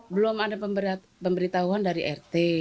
belum ada pemberitahuan dari rt